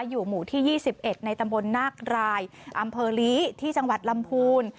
อยู่หมู่ที่๒๑ในตำบลนาครายอำเภอลีที่จังหวัดลำพูน